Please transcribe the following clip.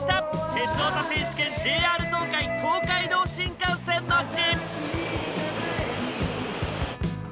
「鉄オタ選手権ＪＲ東海・東海道新幹線の陣」。